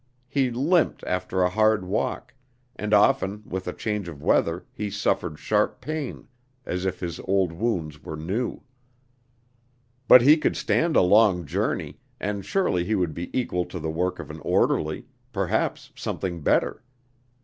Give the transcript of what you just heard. He limped after a hard walk; and often with a change of weather he suffered sharp pain, as if his old wounds were new. But he could stand a long journey, and surely he would be equal to the work of an orderly, perhaps something better.